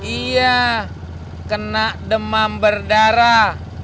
iya kena demam berdarah